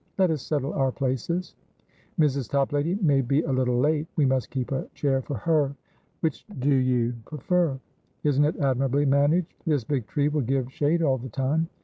Let us settle our places. Mrs. Toplady may be a little late; we must keep a chair for her. Which do you prefer? Isn't it admirably managed? This big tree will give shade all the time.